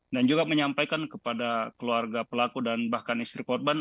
dan juga menyampaikan kepada keluarga pelaku dan bahkan istri korban